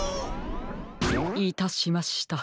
⁉いたしました。